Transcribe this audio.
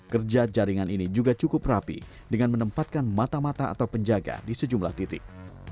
kerja jaringan ini juga cukup rapi dengan menempatkan mata mata atau penjaga di sejumlah titik